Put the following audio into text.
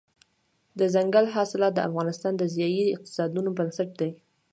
دځنګل حاصلات د افغانستان د ځایي اقتصادونو بنسټ دی.